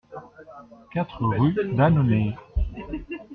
quatre rue d'Annonay